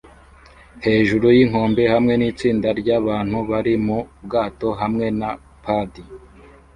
hejuru yinkombe hamwe nitsinda ryabantu bari mu bwato hamwe na padi